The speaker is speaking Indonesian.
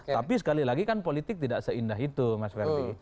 tapi sekali lagi kan politik tidak seindah itu mas ferdi